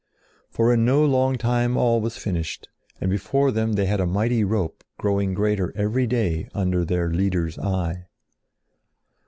For in no long time all was finished and before them they had a mighty rope growing greater every day under their Leader's eye.